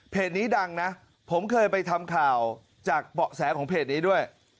นี้ดังนะผมเคยไปทำข่าวจากเบาะแสของเพจนี้ด้วย